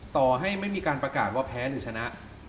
ต่อให้ไม่มีการประกาศว่าแพ้หรือชนะ